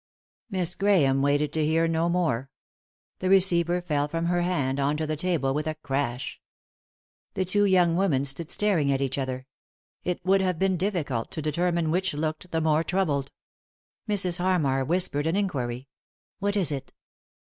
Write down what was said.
Miss Grahame waited to hear no more. The re ceiver felt from her band on to the table with a crash. The two young women stood staring at each other ; it would have been difficult to determine which looked the more troubled. Mrs. Harmar whis pered an inquiry. " What is it